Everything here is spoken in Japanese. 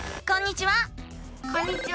こんにちは！